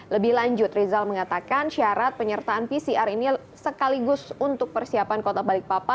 lebih lanjut rizal mengatakan syarat penyertaan pcr ini sekaligus untuk persiapan kota balikpapan